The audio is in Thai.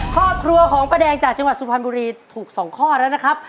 ครอบครัวของป้าแดงจากจังหวัดสุพรรณบุรีถูก๒ข้อแล้วนะครับ